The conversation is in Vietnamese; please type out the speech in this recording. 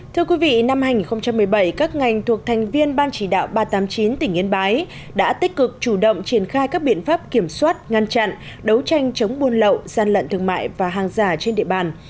thưa quý vị năm hai nghìn một mươi bảy các ngành thuộc thành viên ban chỉ đạo ba trăm tám mươi chín tỉnh yên bái đã tích cực chủ động triển khai các biện pháp kiểm soát ngăn chặn đấu tranh chống buôn lậu gian lận thương mại và hàng giả trên địa bàn